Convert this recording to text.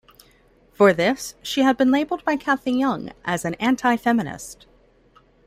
For this, she had been labelled by Cathy Young as an "antifeminist".